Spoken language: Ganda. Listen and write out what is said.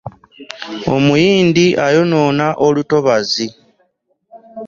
Omuyindi ayonona olutobazi.